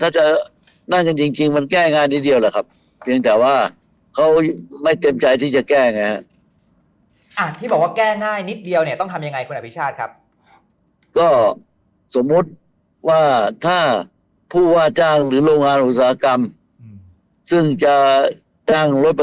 มันจริงนี้ถ้าจะนั่งจริงมันแก้อะไรครับว่าไม่เต็มใจที่จะแก้อะไร้อบแก้นิดเดียวต้องยานัยคุณอภิชาครับก็สมมุติว่าถ้าพูดว่าเจ้าหรือโรงงานอุตสาหกรรมซึ่งจะจางรถบรรทุกไป